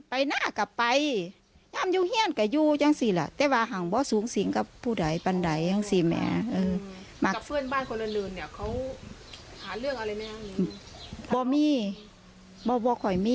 เป็นคนบ่มี่ฟูหัวซ่าเหมือนเนี่ย